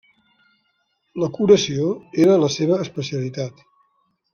La curació era la seva especialitat.